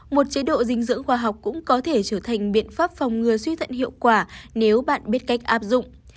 một chế độ dinh dưỡng khoa học cũng có thể trở thành biện pháp phòng ngừa suy thận hiệu quả nếu bạn biết cách áp dụng